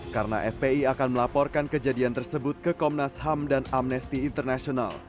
karena fpi akan melaporkan kejadian tersebut ke komnas ham dan amnesty international